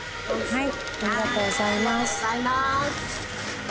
はい。